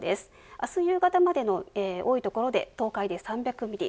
明日夕方までの多い所で東海で３００ミリ